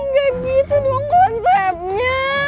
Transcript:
gak gitu dong konsepnya